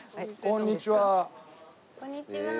こんにちは。